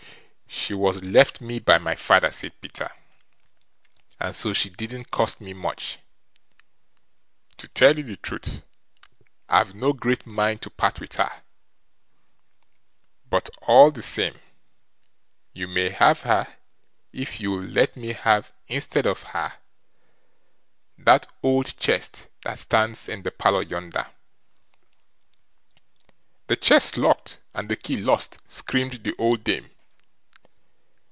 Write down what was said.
"She was left me by my father", said Peter, "and so she didn't cost me much. To tell you the truth, I've no great mind to part with her, but, all the same, you may have her, if you'll let me have, instead of her, that old chest that stands in the parlour yonder." "The chest's locked and the key lost", screamed the old dame.